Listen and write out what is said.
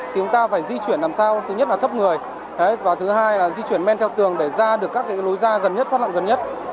thì chúng ta phải di chuyển làm sao thứ nhất là thấp người và thứ hai là di chuyển men theo tường để ra được các lối ra gần nhất thoát nạn gần nhất